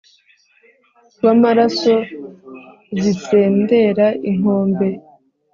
w’amaraso zisendera inkombe